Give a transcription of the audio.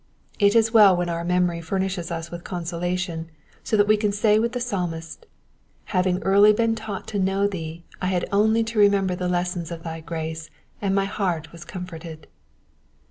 It is well when our memory furnishes us with consolation, so that we can say with the Psalmist, — Having early been taught to know thee, I had only to remember the lessons of thy grace, and my heart was comforted.